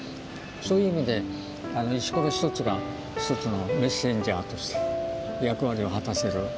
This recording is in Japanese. そういう意味で石ころ一つが一つのメッセンジャーとして役割を果たせる。